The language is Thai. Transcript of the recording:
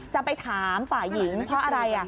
จะไปถามฝ่ายหญิงเพราะอะไร